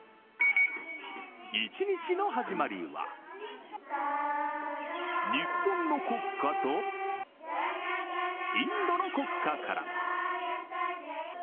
一日の始まりは日本の国歌とインドの国歌から。